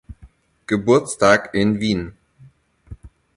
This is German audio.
Geburtstag in Wien.